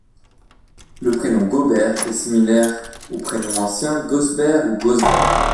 Le prénom Gaubert est similaire aux prénoms anciens Gausbert ou Gauzbert.